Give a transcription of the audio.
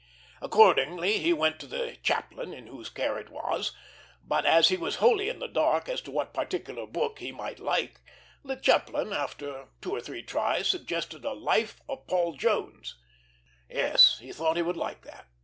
Accordingly he went to the chaplain, in whose care it was; but as he was wholly in the dark as to what particular book he might like, the chaplain, after two or three tries, suggested a Life of Paul Jones. Yes, he thought he would like that.